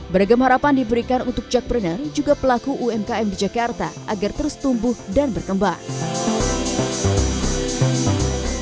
beragam harapan diberikan untuk jackpreneur juga pelaku umkm di jakarta agar terus tumbuh dan berkembang